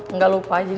nggak lupa aja